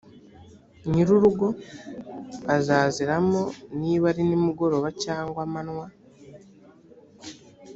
nyir urugo azaziramo niba ari nimugoroba cyangwa amanywa